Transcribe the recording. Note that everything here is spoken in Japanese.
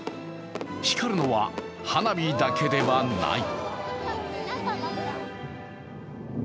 光るのは、花火だけではない。